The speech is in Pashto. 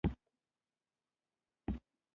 ښاري کانالیزاسیون او د روښنايي اسانتیاوو څخه برخمن وو.